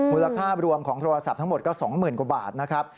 มูลค่ารวมของโทรศัพท์ทั้งหมดก็๒๐๐๐กว่าบาทนะครับ